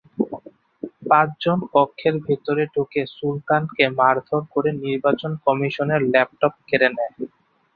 পাঁচজন কক্ষের ভেতরে ঢুকে সুলতানকে মারধর করে নির্বাচন কমিশনের ল্যাপটপ কেড়ে নেয়।